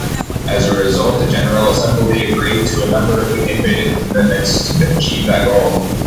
As a result, the General Assembly agreed a number of innovative commitments to achieve that goal.